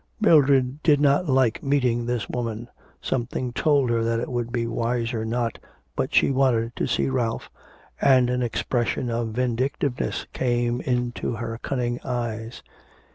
Mildred did not like meeting this woman, something told her that it would be wiser not, but she wanted to see Ralph, and an expression of vindictiveness came into her cunning eyes.